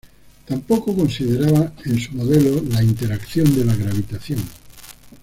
Tampoco consideraba en su modelo la interacción de la gravitación.